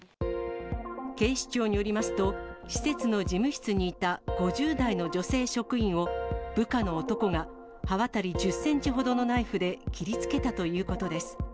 警視庁によりますと、施設の事務室にいた５０代の女性職員を、部下の男が刃渡り１０センチほどのナイフで切りつけたということです。